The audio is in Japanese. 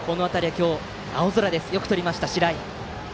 今日の青空でよくとりました、白井。